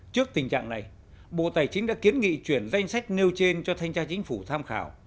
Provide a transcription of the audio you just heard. trước tình trạng này bộ tài chính đã kiến nghị chuyển danh sách nêu trên cho thanh tra chính phủ tham khảo